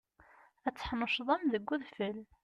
Ad teḥnuccḍem deg udfel.